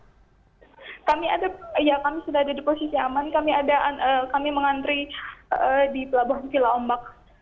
ya kami sudah ada di posisi aman kami mengantri di pelabuhan vila ombak